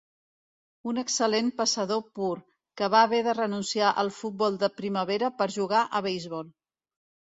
Un excel·lent passador pur, que va haver de renunciar al futbol de primavera per jugar a beisbol.